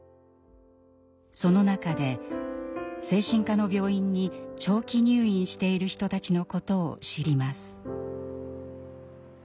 その中で精神科の病院に長期入院している人たちのことを知ります。